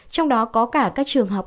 trong đó có cả các trường học